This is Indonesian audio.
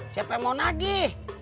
siapa yang mau nagih